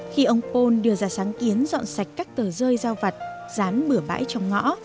khi ông paul đưa ra sáng kiến dọn sạch các tờ rơi giao vặt dán bửa bãi trong ngõ